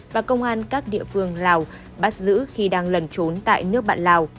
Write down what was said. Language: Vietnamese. và công an các địa phương lào bắt giữ khi đang lẩn trốn tại nước bạn lào